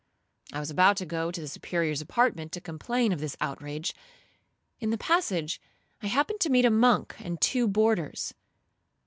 I was about to go to the Superior's apartment to complain of this outrage; in the passage I happened to meet a monk and two boarders.